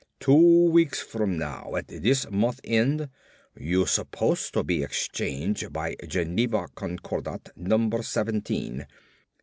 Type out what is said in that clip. Two weeks from now at this month end you suppose to be exchange by Geneva Concordat number seventeen.